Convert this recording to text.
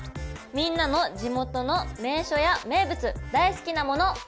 みんなの地元の名所や名物大好きなもの。